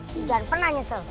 jangan pernah nyesel